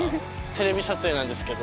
テレビ撮影なんですけど。